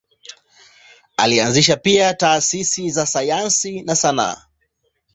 Alianzisha pia taasisi za sayansi na sanaa.